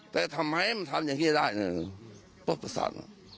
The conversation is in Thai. แต่ทำให้มันทำอย่างเฮียดายน่ะพวกประสานอ่ะ